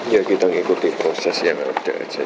ya kita mengikuti prosesnya saja